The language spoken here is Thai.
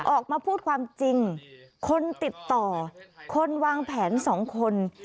ออกมาพูดความจริงคนติดต่อคนวางแผนสองคน